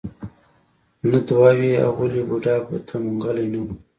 نه دوه وې اولې بوډا بوته منګلی نه و.